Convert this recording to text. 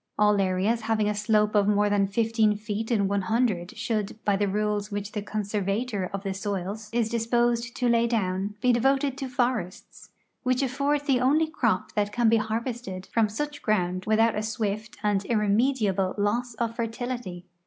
All areas having a slope of more than fifteen feet in one hundred should, by the rules which the conservator of the soils is dis posed to lay down, be devoted to forests, which afford the only crop that can be harvested from such ground without a swift and irremediable loss of fertility.